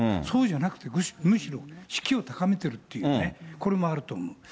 そうじゃなくてむしろ士気を高めているっていうかね、これもあると思う。